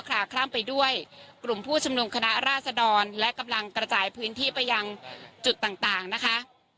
กลุ่มผู้ชุมนมคณะราชดรและกำลังกระจายพื้นที่ไปยังจุดต่างนะคะ